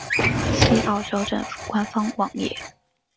西澳州政府官方网页